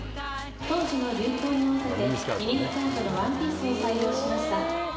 当時の流行に合わせて、ミニスカートのワンピースを採用しました。